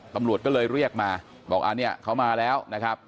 ตำรวจก็เลยเรียกมาบอกอันนี้เขามาแล้วนะครับ